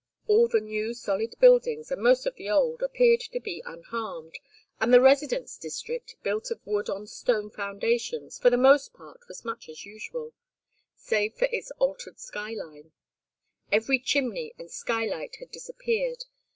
All the new solid buildings, and most of the old, appeared to be unharmed, and the residence district, built of wood on stone foundations, for the most part, was much as usual, save for its altered sky line: every chimney and skylight had disappeared.